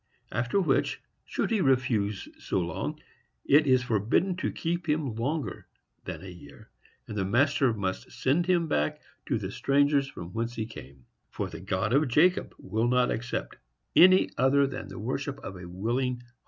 After which, should he refuse so long, it is forbidden to keep him longer than a year. And the master must send him back to the strangers from whence he came. For the God of Jacob will not accept any other than the worship of a willing heart.